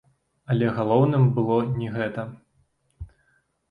Але галоўным было не гэта.